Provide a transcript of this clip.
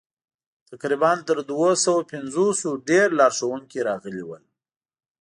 تقریباً تر دوه سوه پنځوسو ډېر لارښوونکي راغلي ول.